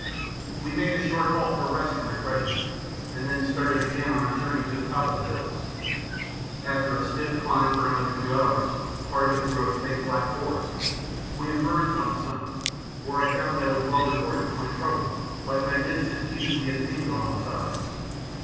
We made a short halt for rest and refreshment, and then started again on our journey to the top of the hills. After a stiff climb for another two hours, part of it through a thick black forest, we emerged on the summit, where I found I was well rewarded for my trouble by the magnificent views we obtained on all sides.